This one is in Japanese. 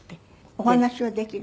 お話はできる？